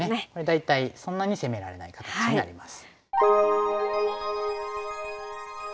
大体そんなに攻められない形になります。